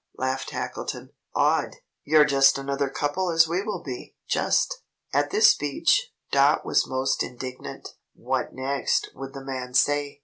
laughed Tackleton. "Odd! You're just such another couple as we will be! Just!" At this speech, Dot was most indignant. What next would the man say?